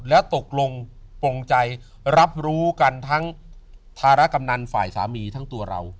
แล้วตกลงปงใจรับรู้กันทั้งทารกำนันฝ่ายสามีทั้งตัวเรา